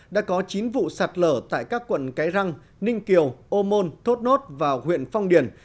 đã có chín vụ sạt lở tại các quận cái răng ninh kiều ô môn thốt nốt và huyện phong điền